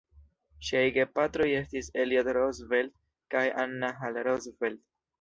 Ŝiaj gepatroj estis Elliott Roosevelt kaj Anna Hall Roosevelt.